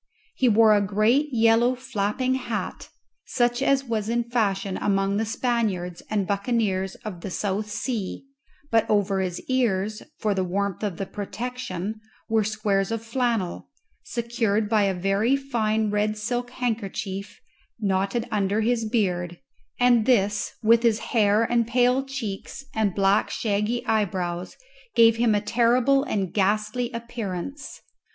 He wore a great yellow flapping hat, such as was in fashion among the Spaniards and buccaneers of the South Sea; but over his ears, for the warmth of the protection, were squares of flannel, secured by a very fine red silk handkerchief knotted under his beard, and this, with his hair and pale cheeks and black shaggy eyebrows, gave him a terrible and ghastly appearance.